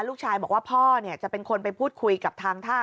ลูกชายบอกว่าพ่อจะเป็นคนไปพูดคุยกับทางท่า